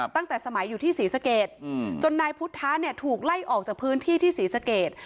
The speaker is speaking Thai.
ตั้งแต่สมัยอยู่ที่ศรีสเกตจนนายพุทธะเนี่ยถูกไล่ออกจากพื้นที่ที่ศรีสเกต